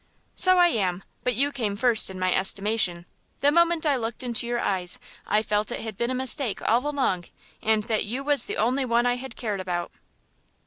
"So I am, but you came first in my estimation. The moment I looked into your eyes I felt it had been a mistake all along, and that you was the only one I had cared about."